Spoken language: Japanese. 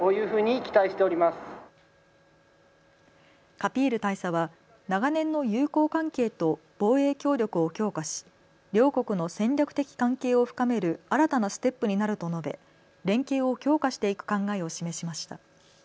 カピール大佐は長年の友好関係と防衛協力を強化し、両国の戦略的関係を深める新たなステップになると述べ連携を強化していく考えを示しました。